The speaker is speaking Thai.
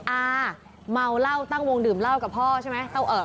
อาเมาเหล้าตั้งวงดื่มเหล้ากับพ่อใช่ไหม